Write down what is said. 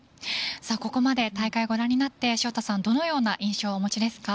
ここまで大会をご覧になって潮田さんどのような印象をお持ちですか？